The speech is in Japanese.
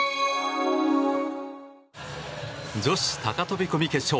女子高飛込決勝。